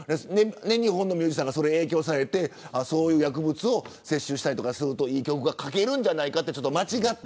日本のミュージシャンがそれに影響されてそういう薬物を摂取したりするといい曲が書けるんじゃないかと間違った。